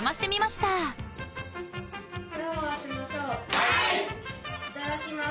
いただきます。